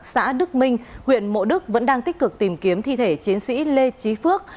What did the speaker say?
xã đức minh huyện mộ đức vẫn đang tích cực tìm kiếm thi thể chiến sĩ lê trí phước